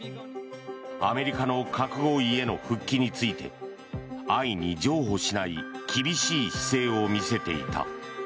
アメリカの核合意への復帰について安易に譲歩しない厳しい姿勢を見せていた。